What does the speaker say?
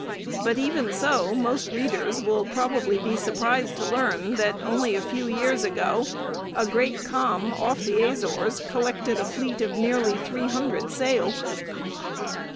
But, even so, most readers will probably be surprised to learn that, only a few years ago, a great calm off the Azores collected a fleet of nearly three hundred sail.